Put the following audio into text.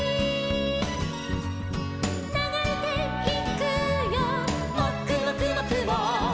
「ながれていくよもくもくもくも」